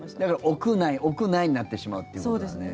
屋内、屋内になってしまうっていうことだね。